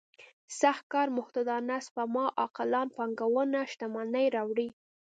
سخت کار محتاطانه سپما عاقلانه پانګونه شتمني راوړي.